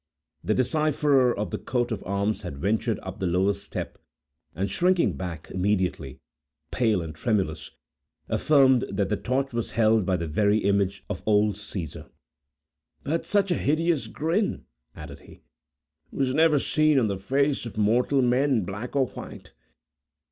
The decipherer of the coat of arms had ventured up the lowest step, and shrinking back immediately, pale and tremulous, affirmed that the torch was held by the very image of old Caesar. "But, such a hideous grin," added he, "was never seen on the face of mortal man, black or white!